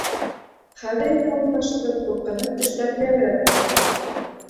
Хәҙер инде, Аллаға шөкөр, ҡурҡыныс төштәр һирәгерәк керә.